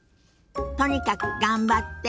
とにかく頑張って。